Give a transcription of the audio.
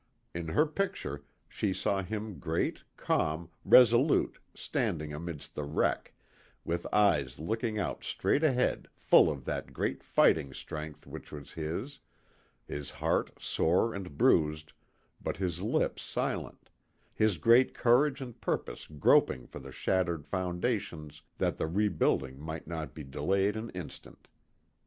In her picture she saw him great, calm, resolute, standing amidst the wreck, with eyes looking out straight ahead full of that great fighting strength which was his, his heart sore and bruised but his lips silent, his great courage and purpose groping for the shattered foundations that the rebuilding might not be delayed an instant.